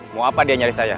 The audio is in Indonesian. mau apa dia nyari saya